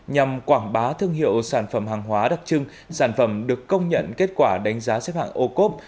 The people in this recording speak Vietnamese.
nhằm quảng bá thương hiệu sản phẩm hàng hóa đặc trưng sản phẩm được công nhận kết quả đánh giá xếp hạng ô cốp